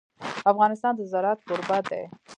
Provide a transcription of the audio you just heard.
افغانستان د زراعت کوربه دی.